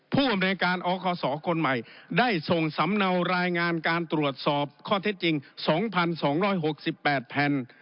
ผู้อำนวยการอคศคนใหม่ได้ส่งสำเนารายงานการตรวจสอบข้อเท็จจริง๒๒๖๘แผ่น